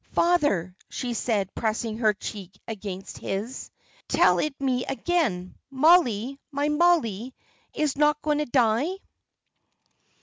"Father," she said, pressing her cheek against his, "tell it me again. Mollie my Mollie is not going to die?"